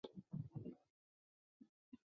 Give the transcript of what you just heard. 圣玛丽人口变化图示